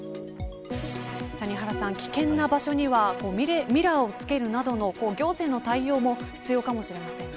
谷原さん、危険な場所にはミラーを付けるなどの行政の対応も必要かもしれませんね。